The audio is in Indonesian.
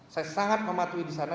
saya sangat mematuhi disana